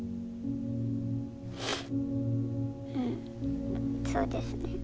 うんそうですね。